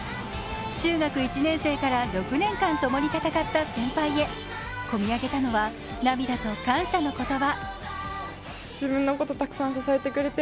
中学１年生から６年間共に戦った先輩へこみ上げたのは涙と感謝の言葉。